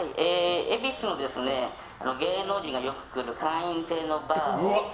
恵比寿の芸能人がよく来る会員制のバーを。